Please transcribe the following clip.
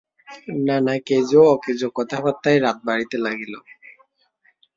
নানা কেজো-অকেজো কথাবার্তায় রাত বাড়িতে লাগিল।